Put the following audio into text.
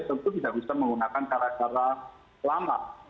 tentu tidak bisa menggunakan cara cara lama